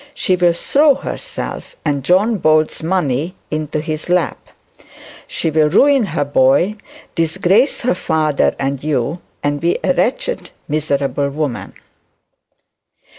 She will throw herself and John Bold's money into his lap; she will ruin her boy, disgrace her father and you, and be a wretched miserable woman.'